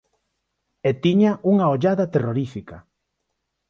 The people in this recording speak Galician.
E tiña unha ollada terrorífica.